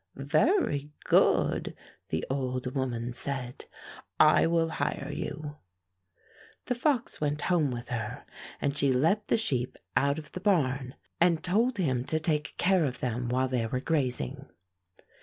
"Very good," the old woman said. "I will hire you." The fox went home with her, and she let the sheep out of the barn and told him to 164 Fairy Tale Foxes take care of them while they were graz ing.